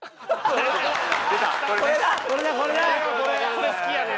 これ好きやねん。